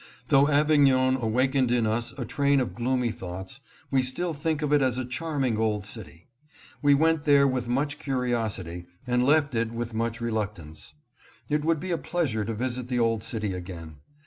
Though Avignon awakened in us a train of gloomy thoughts, we still think of it as a charming old city. We went there with much curiosity and left it with much reluctance. It would be a pleasure to visit the old city again.